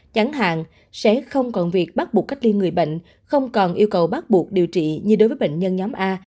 chẳng hạn sẽ không còn việc bắt buộc cách ly người bệnh không còn yêu cầu bắt buộc điều trị như đối với bệnh nhân nhóm a